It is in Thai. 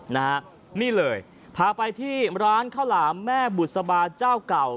นะฮะนี่เลยพาไปที่ร้านข้าวหลามแม่บุษบาเจ้าเก่า